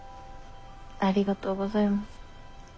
ありがとうございます。